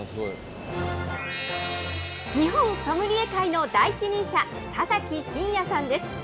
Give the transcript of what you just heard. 日本ソムリエ界の第一人者、田崎真也さんです。